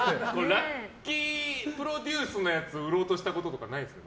ラッキィプロデュースのやつ売ろうとしたことないんですか？